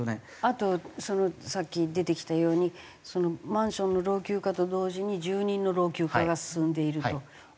あとそのさっき出てきたようにマンションの老朽化と同時に住人の老朽化が進んでいると。